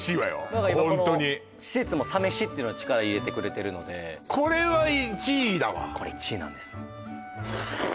何か今この施設もサ飯っていうの力入れてくれてるのでこれは１位だわこれ１位なんです